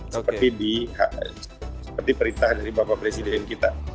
seperti perintah dari bapak presiden kita